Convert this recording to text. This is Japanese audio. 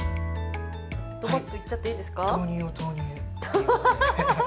ドバッといっちゃっていいですか？